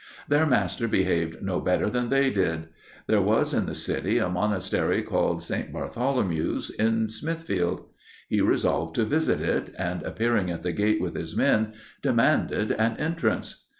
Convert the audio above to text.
Their Master behaved no better than they did. There was in the City a monastery called St. Bartholomew's, in Smithfield. He resolved to visit it, and, appearing at the gate with his men, demanded an entrance.